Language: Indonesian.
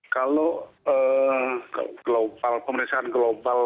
kalau global pemeriksaan global